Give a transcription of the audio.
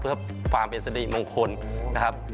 เพื่อความเป็นสริมงคลนะครับ